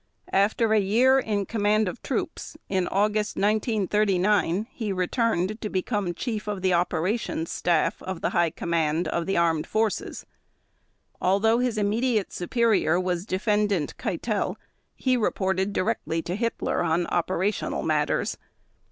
After a year in command of troops, in August 1939 he returned to become Chief of the Operations Staff of the High Command of the Armed Forces. Although his immediate superior was Defendant Keitel, he reported directly to Hitler on operational matters.